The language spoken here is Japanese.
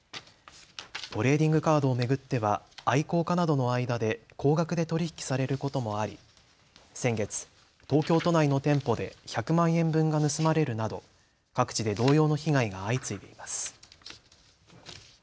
トレーディングカードを巡っては愛好家などの間で高額で取り引きされることもあり先月、東京都内の店舗で１００万円分が盗まれるなど各地で同様の被害が相次いでいます。